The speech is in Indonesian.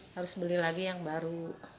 harus beli lagi yang baru